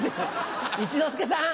一之輔さん。